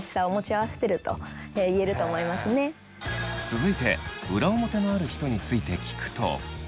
続いて裏表のある人について聞くと。